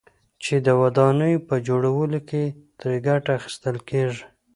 چې د ودانيو په جوړولو كې ترې گټه اخيستل كېږي،